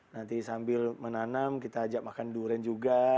nanti sambil menanam kita ajak makan durian juga